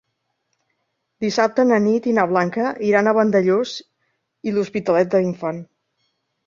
Dissabte na Nit i na Blanca iran a Vandellòs i l'Hospitalet de l'Infant.